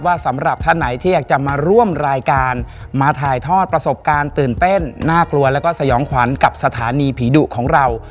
สำหรับท่านไหนที่อยากจะมาร่วมรายการมาถ่ายทอดประสบการณ์ตื่นเต้นน่ากลัวแล้วก็สยองขวัญกับสถานีผีดุของเรา